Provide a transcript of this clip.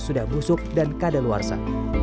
sudah busuk dan kadaluarsa